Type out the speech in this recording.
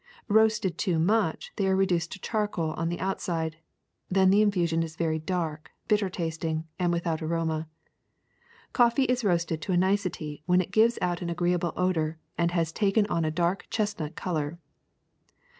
Roasted too much, they are reduced to charcoal on the out side; then the infusion is very dark, bitter tasting, and without aroma. Coffee is roasted to a nicety when it gives out an agreeable odor and has taken on a dark chestnut color.